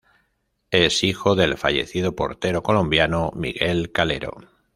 Es hijo del fallecido portero colombiano Miguel Calero.